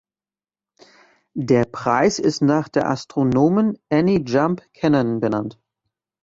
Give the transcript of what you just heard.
Der Preis ist nach der Astronomin Annie Jump Cannon benannt.